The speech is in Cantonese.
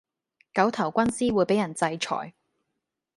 狗頭軍師會比人制裁